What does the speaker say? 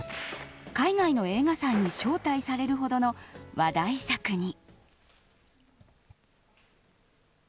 海外の映画祭に招待されるほどの話題作に。